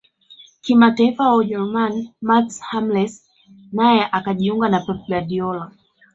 kimataifa wa ujerumani mats hummels naye akajiunga na pep guardiola